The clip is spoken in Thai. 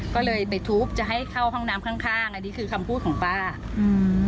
ก็เลยไปทุบจะให้เข้าห้องน้ำข้างข้างอันนี้คือคำพูดของป้าอืม